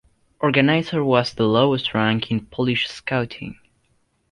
Organizer was the lowest rank in Polish scouting.